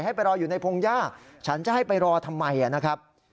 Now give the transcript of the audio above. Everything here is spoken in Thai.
ไปรออยู่ในพงหญ้าฉันจะให้ไปรอทำไมนะครับ